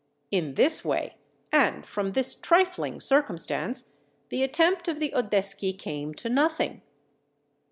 In this way, and from this trifling circumstance, the attempt of the Oddeschi came to nothing.